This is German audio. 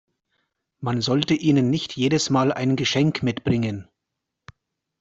Man sollte ihnen nicht jedes Mal ein Geschenk mitbringen.